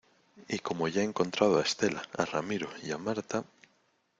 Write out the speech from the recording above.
y como ya he encontrado a Estela, a Ramiro y a Marta...